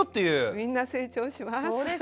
みんな成長します。